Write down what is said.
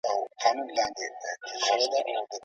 که عاید زیات سي د خلګو هوساینه به ډېره سي.